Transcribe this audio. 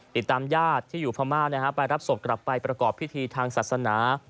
ญาติที่อยู่พม่าไปรับศพกลับไปประกอบพิธีทางศาสนา